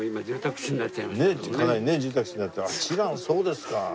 そうですか。